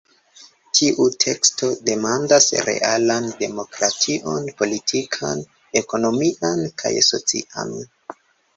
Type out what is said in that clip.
Tiu teksto demandas realan demokration politikan, ekonomian kaj socian.